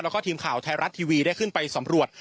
แล้วก็ทีมข่าวไทยรัฐทีวีได้ขึ้นไปสำรวจ